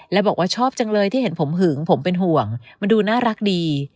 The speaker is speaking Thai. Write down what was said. และบอกว่าชอบจังเลยที่เห็นผมหึงผมเป็นห่วงมันดูน่ารักดี